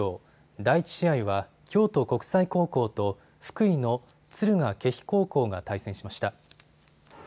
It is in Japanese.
第１試合は京都国際高校と福井の敦賀気比高校が対戦しました。